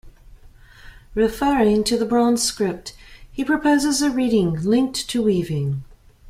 Referring to the bronze script, he proposes a reading linked to weaving.